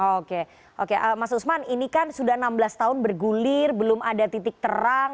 oke oke mas usman ini kan sudah enam belas tahun bergulir belum ada titik terang